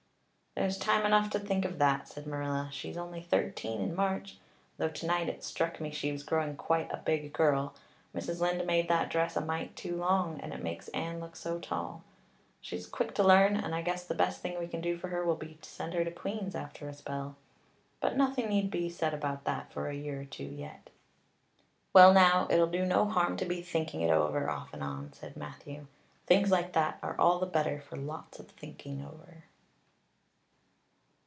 "There's time enough to think of that," said Marilla. "She's only thirteen in March. Though tonight it struck me she was growing quite a big girl. Mrs. Lynde made that dress a mite too long, and it makes Anne look so tall. She's quick to learn and I guess the best thing we can do for her will be to send her to Queen's after a spell. But nothing need be said about that for a year or two yet." "Well now, it'll do no harm to be thinking it over off and on," said Matthew. "Things like that are all the better for lots of thinking over."